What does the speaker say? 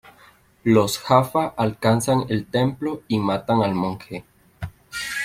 Los Jaffa alcanzan el templo y matan al Monje.